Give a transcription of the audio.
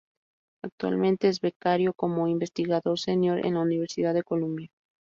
Actualmente es Becario como Investigador Senior en la Universidad de Columbia.